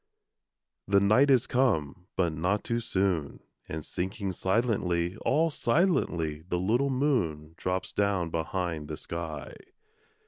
The night is come, but not too soon; And sinking silently, All silently, the little moon Drops down behind the sky.